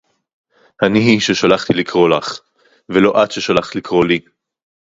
אֲנִי הִיא שֶׁשָּׁלַחְתִּי לִקְרוֹא לְךָ, וְלֹא אֶת שֶׁשָּׁלַחְתָּ לִקְרוֹא לִי, נָכוֹן?